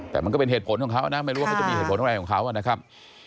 แต่มันก็เป็นเหตุผลของเขานะไม่รู้ว่าเขาจะมีเหตุผลอะไรของเขานะครับ